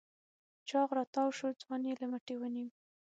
چاغ راتاوشو ځوان يې له مټې ونيو.